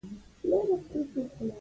مونږ باید د هغه سنت تعقیب کړو.